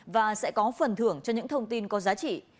và sẽ có phần thưởng cho những thông tin có giá trị